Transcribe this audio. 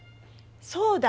そうだ！